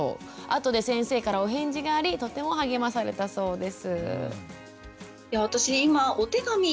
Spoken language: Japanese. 後で先生からお返事がありとても励まされたそうです。